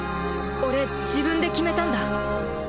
俺自分で決めたんだ。